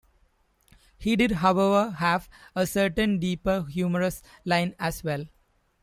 He did however have a certain deeper humorous line as well.